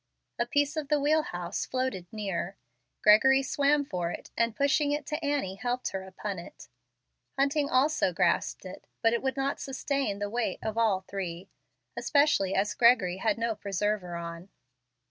A piece of the wheelhouse floated near; Gregory swam for it, and pushing it to Annie helped her upon it. Hunting also grasped it. But it would not sustain the weight of all three, especially as Gregory had no preserver on.